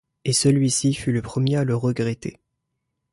Et celui-ci fut le premier à le regretter.